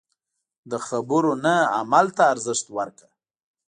د خبرو نه عمل ته ارزښت ورکړه.